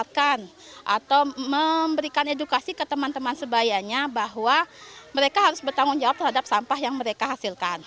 atau memberikan edukasi ke teman teman sebayanya bahwa mereka harus bertanggung jawab terhadap sampah yang mereka hasilkan